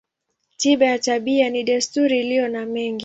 Tiba ya tabia ni desturi iliyo na mengi.